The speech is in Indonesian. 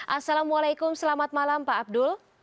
assalamualaikum selamat malam pak abdul